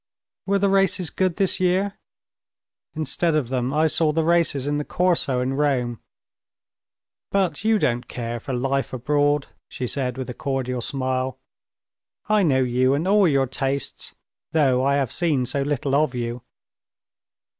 "Were the races good this year? Instead of them I saw the races in the Corso in Rome. But you don't care for life abroad," she said with a cordial smile. "I know you and all your tastes, though I have seen so little of you."